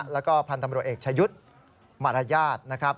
แล้วก็ผ่านตำรวจเอกชายุธมรรยาท